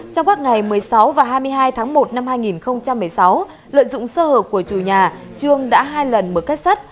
trong các ngày một mươi sáu và hai mươi hai tháng một năm hai nghìn một mươi sáu lợi dụng sơ hở của chủ nhà trương đã hai lần mở kết sắt